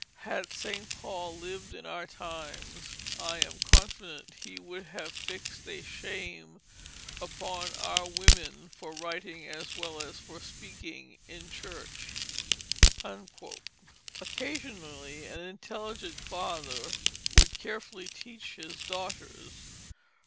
Had St. Paul lived in our Times I am confident hee would have fixt a Shame upon our woemen for writing as well as for speaking in church." Occasionally an intelligent father would carefully teach his daughters.